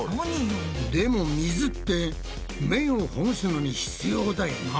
でも水ってめんをほぐすのに必要だよな。